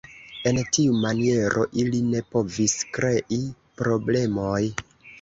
En tiu maniero, ili ne povis krei problemoj.